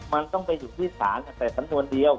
มันต้องไปอยู่ที่ศาลแต่สำนวนเดียว